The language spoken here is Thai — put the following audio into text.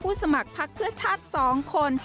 ผู้สมัครประเภทชาติสองคน